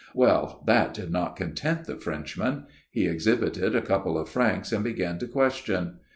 " Well, that did not content the Frenchman. He exhibited a couple of francs and began to question.